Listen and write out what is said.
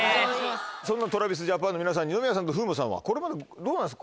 そんなＴｒａｖｉｓＪａｐａｎの皆さん二宮さんと風磨さんはこれまでどうなんですか？